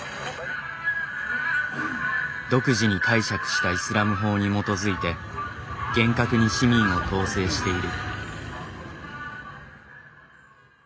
独自に解釈したイスラム法に基づいて厳格に市民を統制している。